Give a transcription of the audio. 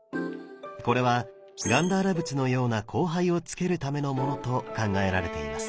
これはガンダーラ仏のような光背をつけるためのものと考えられています。